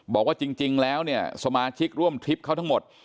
บอกว่าจริงแล้วเนี่ยสมาชิกร่วมทริปเขาทั้งหมด